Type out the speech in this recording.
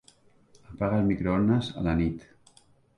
Apaga el microones a la nit.